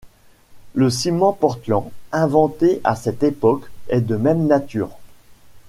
Le ciment Portland inventé à cette époque est de même nature.